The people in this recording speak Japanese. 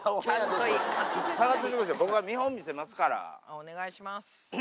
お願いします。